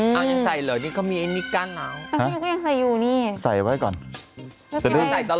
ยังใส่เหรอนี่เขามีไอ้นิกการ์น้ำใส่ไว้ก่อนจะได้ติด